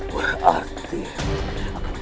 berarti aku hapisin kamu prasini